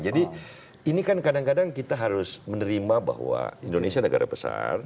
jadi ini kan kadang kadang kita harus menerima bahwa indonesia negara besar